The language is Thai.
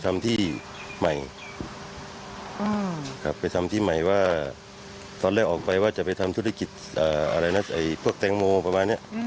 ไม่ใช่ว่าจะไปทำธุรกิจพวกแจ้งโมประมาณนี้